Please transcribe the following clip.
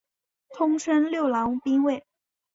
通称六郎兵卫。